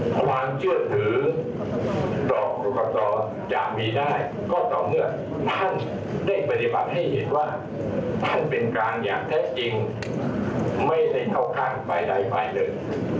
ความเชื่อถือต่อกรกตจะมีได้ก็ต่อเมื่อท่านได้ปฏิบัติให้เห็นว่าท่านเป็นการอย่างแท้จริงไม่ได้เข้าข้างฝ่ายใดฝ่ายหนึ่ง